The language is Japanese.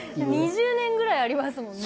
２０年ぐらいありますもんね